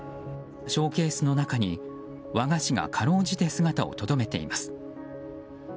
ショーケースの中に和菓子が、かろうじて姿をとどめています。